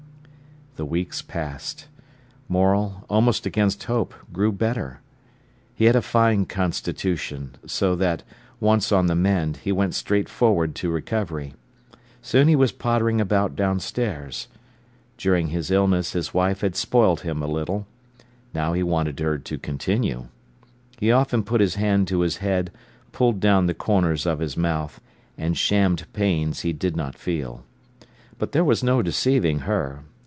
The weeks passed. Morel, almost against hope, grew better. He had a fine constitution, so that, once on the mend, he went straight forward to recovery. Soon he was pottering about downstairs. During his illness his wife had spoilt him a little. Now he wanted her to continue. He often put his band to his head, pulled down the corners of his mouth, and shammed pains he did not feel. But there was no deceiving her.